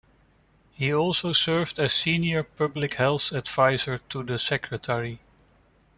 He also served as senior public health advisor to the Secretary.